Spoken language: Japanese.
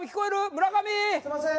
村上すいません